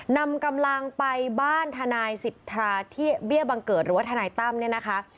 นำกำลังไปบ้านทนายสิทธาที่เบี้ยบังเกิดหรือว่าทนายตั้มเนี่ยนะคะ